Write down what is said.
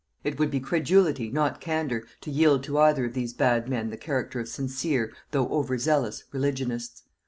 It would be credulity, not candor, to yield to either of these bad men the character of sincere, though over zealous, religionists.